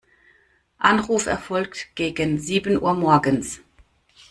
Anruf erfolgt gegen sieben Uhr morgens.